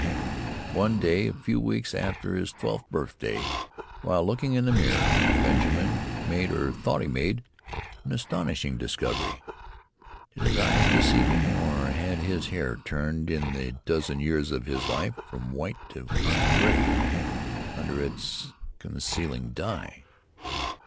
But one day a few weeks after his twelfth birthday, while looking in the mirror, Benjamin made, or thought he made, an astonishing discovery. Did his eyes deceive him, or had his hair turned in the dozen years of his life from white to iron gray under its concealing dye?